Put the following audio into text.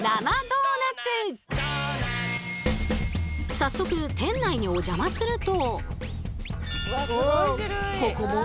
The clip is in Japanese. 早速店内にお邪魔すると。